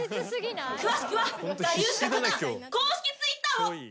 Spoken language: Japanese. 詳しくは『我流しか勝たん！』公式Ｔｗｉｔｔｅｒを。